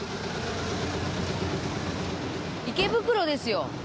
池袋ですよ。